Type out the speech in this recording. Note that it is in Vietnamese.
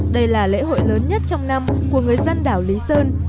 đây là lễ hội lớn nhất trong năm của người dân đảo lý sơn